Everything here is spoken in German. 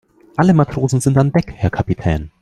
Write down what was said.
Alle Matrosen sind an Deck, Herr Kapitän.